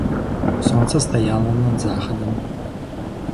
Сонца стаяла над захадам.